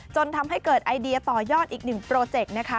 จนทำให้เกิดไอเดียต่อยอดอีกหนึ่งโปรเจกต์นะคะ